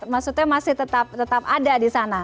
maksudnya masih tetap ada di sana